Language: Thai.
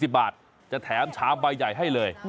บาทจะแถมชามใบใหญ่ให้เลย